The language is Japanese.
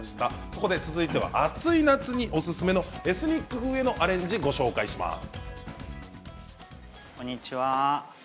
そこで続いては、暑い夏におすすめのエスニック風のアレンジをご紹介します。